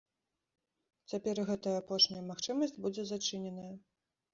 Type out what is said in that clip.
Цяпер і гэтая апошняя магчымасць будзе зачыненая.